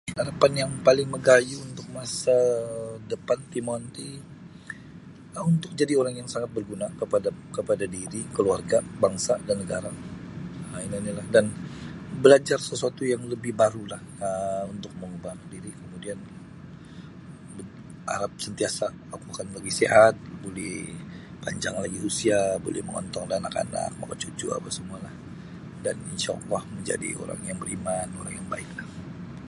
Arapan yang paling magayuh untuk masa depan timoon ti um untuk jadi orang yang sangat barguna kepada kepada diri keluarga bangsa dan nagara um ino onilah dan belajar sasuatu yang lebih barulah um untuk mengubah diri kemudian harap sentiasa oku akan lebih sihat buli panjang lagi usia mongontong da anak-anak makacucu dan apa semualah dan insha Allah buli manjadi orang beriman dan orang yang baiklah.